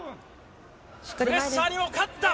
プレッシャーにも勝った。